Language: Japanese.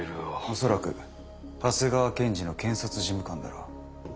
恐らく長谷川検事の検察事務官だろう。